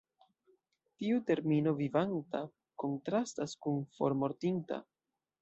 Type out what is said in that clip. Tiu termino "vivanta" kontrastas kun "formortinta".